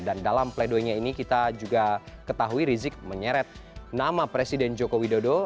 dan dalam pledoynya ini kita juga ketahui rizik menyeret nama presiden joko widodo